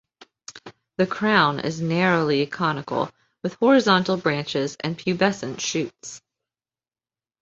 The crown is narrowly conical with horizontal branches and pubescent shoots.